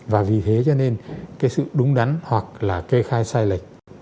và vì thế cho nên cái sự đúng đắn hoặc là kê khai sai lệch